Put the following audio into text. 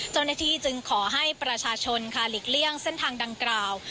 เจ้าหน้าที่จึงขอให้ประชาชนค่ะหลีกเลี่ยงเส้นทางดังกล่าว